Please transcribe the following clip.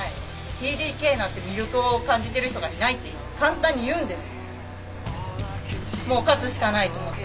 ＴＤＫなんて魅力を感じている人がいないって簡単に言うんです。